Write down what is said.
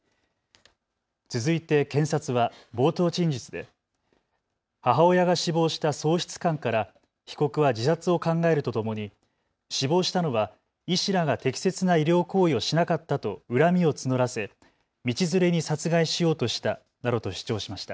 続いて検察は冒頭陳述で母親が死亡した喪失感から被告は自殺を考えるとともに死亡したのは医師らが適切な医療行為をしなかったと恨みを募らせ道連れに殺害しようとしたなどと主張しました。